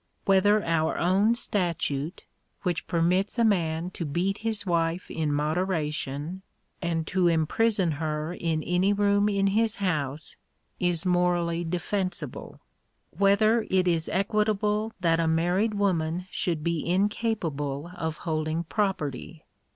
whether our own statute, which permits a man to beat his wife in moderation, and to imprison her in any room in his house, is morally de fensible ? whether it is equitable that a married woman should be incapable of holding property?